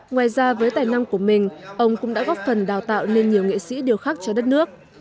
ngoài ra với tài năng của mình ông cũng đã góp phần đào tạo nên nhiều nghệ sĩ điều khắc cho đất nước